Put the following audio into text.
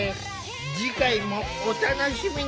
次回もお楽しみに！